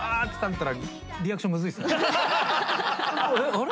あれ？